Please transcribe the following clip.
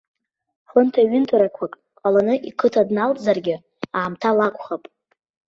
Хынҭаҩынҭарақәак ҟаланы иқыҭа дналҵзаргьы, аамҭала акәхап.